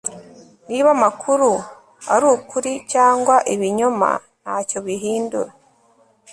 niba amakuru ari ukuri cyangwa ibinyoma ntacyo bihindura